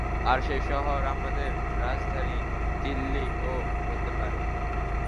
আর সে শহর আমাদের রাজধানী দিল্লি ও হতে পারে।